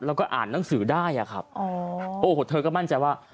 แล้วก็อ่านหนังสือได้อะครับอ๋อโอ้โหเธอก็มั่นใจว่า